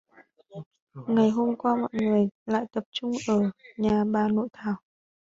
Ngày hôm sau mọi người lại tập trung ở nhà bà nội thảo